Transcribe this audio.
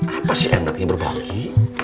apa sih enaknya berbagi